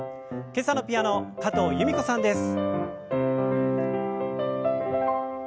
今朝のピアノ加藤由美子さんです。